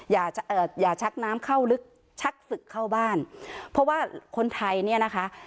อย่าเอ่ออย่าชักน้ำเข้าลึกชักศึกเข้าบ้านเพราะว่าคนไทยเนี่ยนะคะ